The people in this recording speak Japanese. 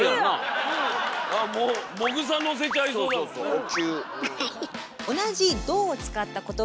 もぐさのせちゃいそうだもんね。